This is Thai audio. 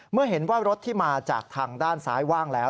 เมื่อเห็นว่ารถที่มาจากทางด้านซ้ายว่างแล้ว